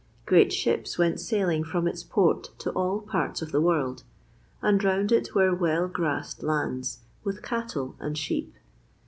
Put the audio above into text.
Great ships went sailing from its port to all parts of the world, and round it were well grassed lands with cattle and sheep.